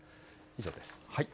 以上です。